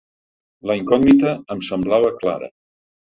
La incògnita em semblava clara.